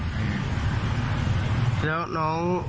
๒เดือนแล้วนะ